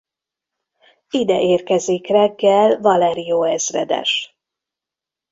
Ide érkezik reggel Valerio ezredes.